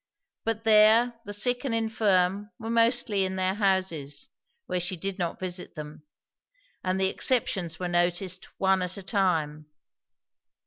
But there the sick and infirm were mostly in their houses, where she did not visit them; and the exceptions were noticed one at a time.